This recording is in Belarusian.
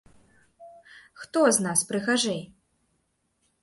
Хто з нас прыгажэй?